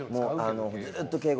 ずっと敬語。